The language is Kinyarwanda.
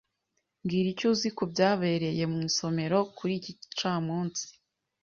Mbwira icyo uzi ku byabereye mu isomero kuri iki gicamunsi.